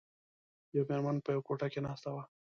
یوه میرمن په یوه کوټه کې ناسته وه.